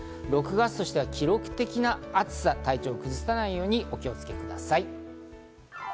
６月としては記録的な暑さ、体調を崩さないようにお気をつけください。